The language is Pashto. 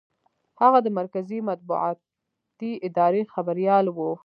هغه د مرکزي مطبوعاتي ادارې خبریال و.